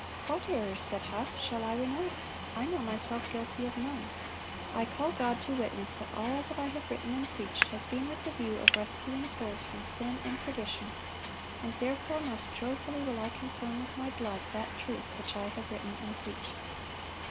"What errors," said Huss, "shall I renounce? I know myself guilty of none. I call God to witness that all that I have written and preached has been with the view of rescuing souls from sin and perdition; and, therefore, most joyfully will I confirm with my blood that truth which I have written and preached."